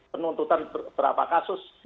penuntutan berapa kasus